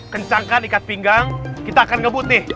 kencangkan ikat pinggang kita akan ngebut nih